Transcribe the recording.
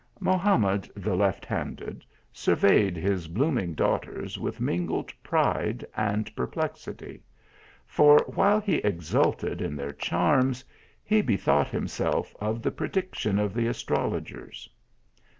Mohamed, the left handed, surveyed his blooming daughters with mingled pride and perplexity ; for while he exulted in their charms, he bethought him self of the prediction of the astrologers.